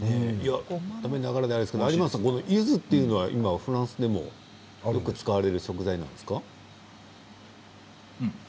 食べながらであれですけれどもゆずは大フランスでもよく使われる食材なんですか。